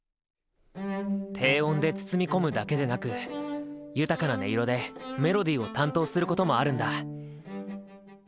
低音で包み込むだけでなく豊かな音色でメロディーを担当することもあるんだ。